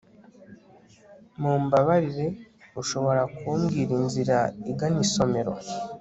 mumbabarire, ushobora kumbwira inzira igana isomero